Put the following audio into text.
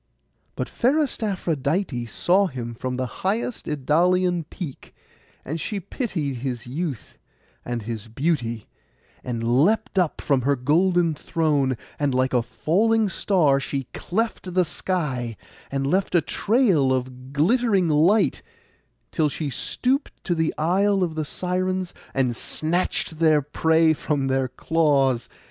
But fairest Aphrodite saw him from the highest Idalian peak, and she pitied his youth and his beauty, and leapt up from her golden throne; and like a falling star she cleft the sky, and left a trail of glittering light, till she stooped to the Isle of the Sirens, and snatched their prey from their claws.